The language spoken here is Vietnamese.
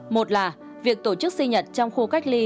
một là việc tổ chức sinh nhật trong khu cách ly